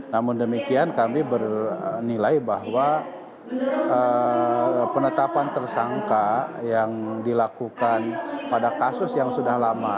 namun demikian kami bernilai bahwa penetapan tersangka yang dilakukan pada kasus yang sudah lama